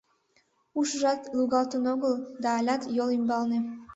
Ушыжат лугалтын огыл да алят йол ӱмбалне.